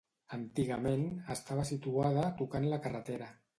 Antigament estava situada tocant la carretera.